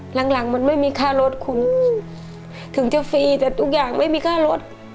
หลังมันไม่มีค่ารถคุณถึงจะฟรีแต่ทุกอย่างไม่มีค่ารถ